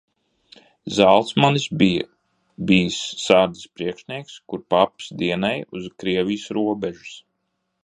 Zalcmanis bija bijis sardzes priekšnieks, kur paps dienēja uz Krievijas robežas.